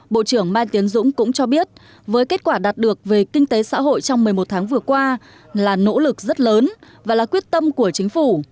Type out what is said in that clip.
bộ trưởng mai tiến dũng cũng cho biết với kết quả đạt được về kinh tế xã hội trong một mươi một tháng vừa qua là nỗ lực rất lớn và là quyết tâm của chính phủ